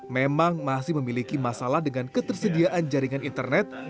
memang masih memiliki masalah dengan ketersediaan jaringan internet